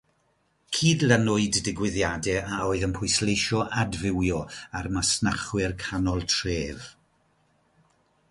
Cydlynwyd digwyddiadau a oedd yn pwysleisio adfywio a'r masnachwyr canol tref.